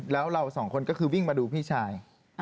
แล้วเราสองคนก็คือวิ่งมาดูพี่ชาย